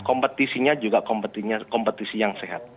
kompetisinya juga kompetisi yang sehat